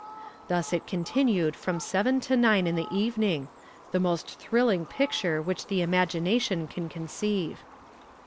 Thus it continued from seven to nine in the evening, the most thrilling picture which the imagination can conceive.